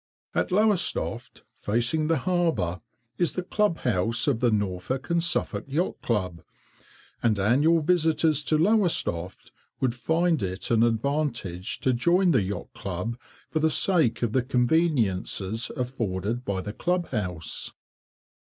At Lowestoft, facing the harbour, is the club house of the Norfolk and Suffolk Yacht Club, and annual visitors to Lowestoft would find it an advantage to join the Yacht Club for the sake of the conveniences afforded by the club house.